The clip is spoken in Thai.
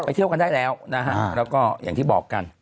เที่ยวกันได้แล้วนะฮะแล้วก็อย่างที่บอกกัน